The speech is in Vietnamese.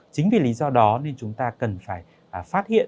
chính vì lý do đó nên chúng ta cần phải phát hiện